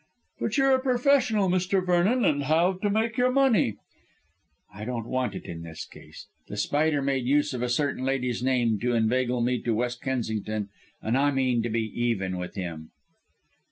"But you're a professional, Mr. Vernon, and have to make your money." "I don't want it in this case. The Spider made use of a certain lady's name to inveigle me to West Kensington, and I mean to be even with him."